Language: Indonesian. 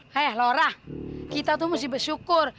hei lora kita tuh mesti bersyukur